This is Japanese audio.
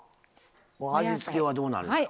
味付けはどうなるんでしょう？